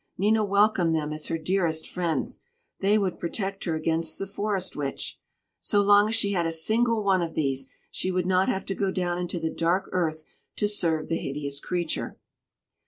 Nina welcomed them as her dearest friends. They would protect her against the Forest Witch. So long as she had a single one of these, she would not have to go down into the dark earth to serve the hideous creature.